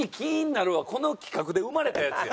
この企画で生まれたやつや。